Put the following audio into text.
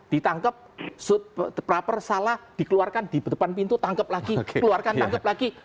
ditangkep pra pr salah dikeluarkan di depan pintu tangkep lagi dikeluarkan tangkep lagi